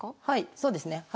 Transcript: はいそうですね